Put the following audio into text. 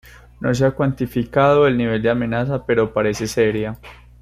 No se ha cuantificado el nivel de amenaza pero parece seria.